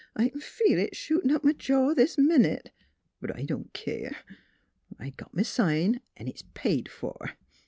" I c'n feel it shootin' up m' jaw this minute. But I don't keer; I got m' sign 'n' it's paid for."